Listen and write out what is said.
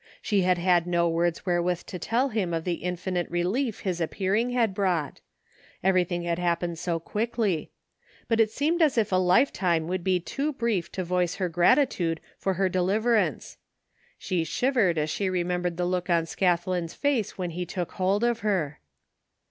She had had no words wherewith to tell him of the infinite relief his appearing had brought; 188 THE FINDING OF JASPEB HOLT everything had happened so quickly ; but it seemed as if a lifetime would be too brief to voice her gratitude for her deliverance. She shivered as she remembered the look on Scathlin's face when he took hold of her.